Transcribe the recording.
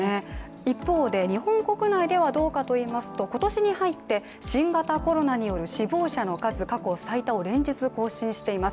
一方で日本国内ではどうかといいますと今年に入って新型コロナによる死亡者の数、過去最多を連日更新しています。